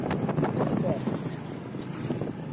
Uḥtam.